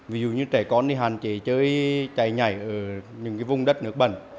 ví dụ như trẻ con thì hạn chế chơi chạy nhảy ở những vùng đất nước bẩn